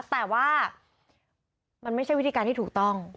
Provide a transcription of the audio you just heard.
แต่ว่ามันไม่ใช่วิธีการที่ถูกต้อง